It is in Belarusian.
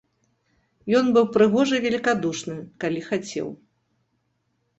Ён быў прыгожы і велікадушны, калі хацеў.